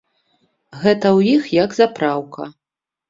Гэта ў іх як запраўка.